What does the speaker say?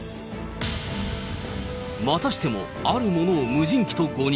またしても、あるものを無人機と誤認。